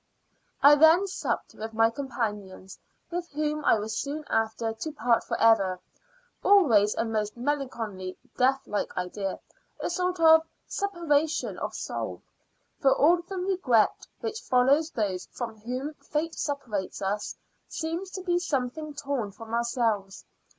I then supped with my companions, with whom I was soon after to part for ever always a most melancholy death like idea a sort of separation of soul; for all the regret which follows those from whom fate separates us seems to be something torn from ourselves.